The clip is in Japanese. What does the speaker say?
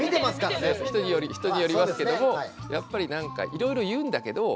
人によりますけどもやっぱり何かいろいろ言うんだけどやらない。